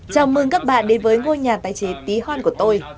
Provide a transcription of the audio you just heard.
chào mừng các bạn đến với ngôi nhà tài chế tí hoan của tôi